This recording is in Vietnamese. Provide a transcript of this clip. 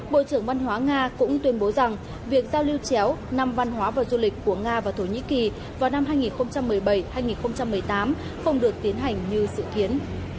bộ trưởng văn hóa nga cũng tuyên bố rằng việc giao lưu chéo năm văn hóa và du lịch của nga và thổ nhĩ kỳ vào năm hai nghìn một mươi bảy hai nghìn một mươi tám không được tiến hành như dự kiến